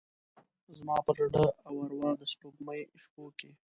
زما پر زړه او اروا د سپوږمۍ شپوکې،